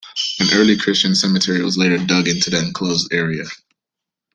An early Christian cemetery was later dug into the enclosed area.